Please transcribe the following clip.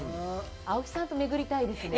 青木さんとめぐりたいですね。